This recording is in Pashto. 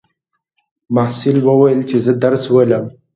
محصل وویل چې زه درس لولم.